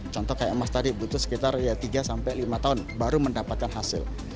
contoh kayak emas tadi butuh sekitar tiga sampai lima tahun baru mendapatkan hasil